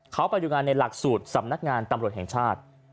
เขาไปดูงานในหลักสูตรสำนักงานตำรวจแห่งชาติ